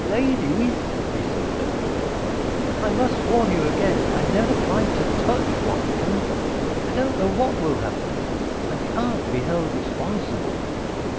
"Ladies," he said desperately. "I must warn you again. I've never tried to touch one of them. I don't know what will happen. I can't be held responsible."